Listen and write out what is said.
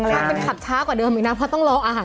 ก็ความเป็นขับช้ากว่าเดิมอีกนะเพราะต้องรออ่าน